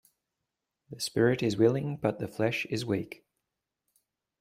The spirit is willing but the flesh is weak.